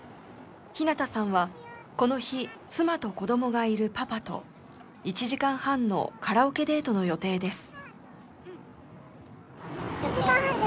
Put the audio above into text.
ひなたさんはこの日妻と子どもがいるパパと１時間半のカラオケデートの予定です。